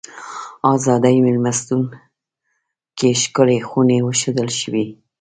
ازادۍ مېلمستون کې ښکلې خونې وښودل شوې.